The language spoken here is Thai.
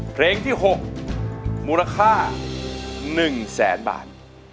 เพลงที่๖มูลค่า๑แสนบาท